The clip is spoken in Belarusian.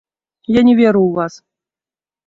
Я не веру ў вас.